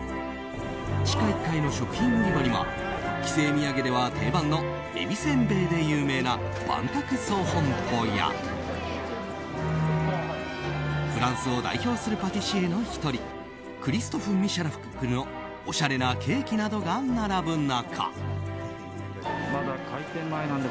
地下１階の食品売り場には帰省土産では定番の海老せんべいで有名な坂角総本舗やフランスを代表するパティシエの１人クリストフ・ミシャラクのおしゃれなケーキなどが並ぶ中。